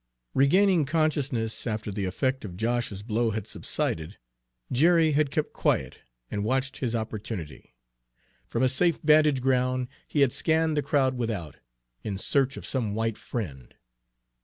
Regaining consciousness after the effect of Josh's blow had subsided, Jerry had kept quiet and watched his opportunity. From a safe vantage ground he had scanned the crowd without, in search of some white friend.